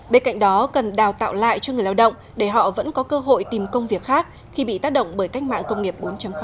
bên cạnh đó cần đào tạo lại cho người lao động để họ vẫn có cơ hội tìm công việc khác khi bị tác động bởi cách mạng công nghiệp bốn